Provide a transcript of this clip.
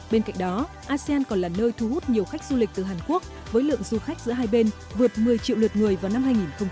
bên cạnh đó asean còn là nơi thu hút nhiều khách du lịch từ hàn quốc với lượng du khách giữa hai bên vượt một mươi triệu lượt người vào năm hai nghìn hai mươi